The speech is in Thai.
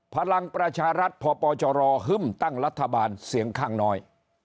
พลังประชารัฐพปชรฮึ่มตั้งรัฐบาลเสียงข้างน้อย